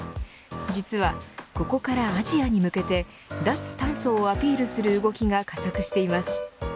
実は、ここからアジアに向けて脱炭素をアピールする動きが加速しています。